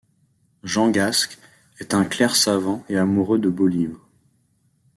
Jean Gasc est un clerc savant et amoureux de beaux livres.